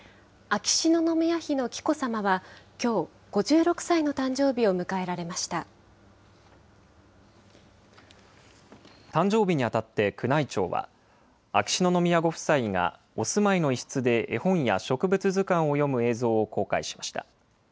秋篠宮妃の紀子さまはきょう、誕生日にあたって宮内庁は、秋篠宮ご夫妻がお住まいの一室で絵本や植物図鑑を読む映像を公開しました。